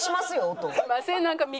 すいません。